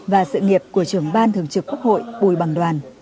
và sự nghiệp của trưởng ban thường trực quốc hội bùi bằng đoàn